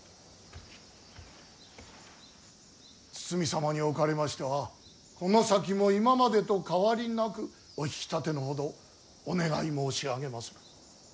堤様におかれましてはこの先も今までと変わりなくお引き立てのほどお願い申し上げまする。